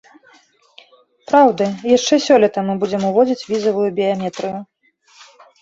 Праўда, яшчэ сёлета мы будзем уводзіць візавую біяметрыю.